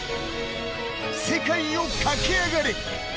世界を駆け上がれ。